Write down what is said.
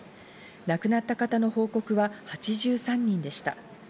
亡くなった方の報告は８３人でした。